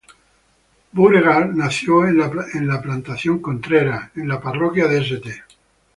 Beauregard nació en la plantación ""Contreras"" en la parroquia de St.